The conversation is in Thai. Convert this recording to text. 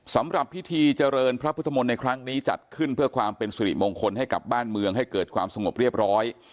สำหรับพิธีเจริญพระพุทธมนต์ในครั้งนี้จัดขึ้นเพื่อความเป็นสุริมงคลให้กับบ้านเมืองให้เกิดความสงบเรียบร้อย